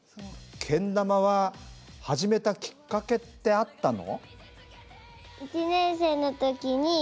けん玉は始めたきっかけってあったの？